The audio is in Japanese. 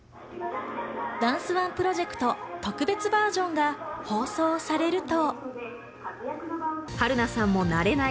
ダンスＯＮＥプロジェクト特別バージョンが放送されると。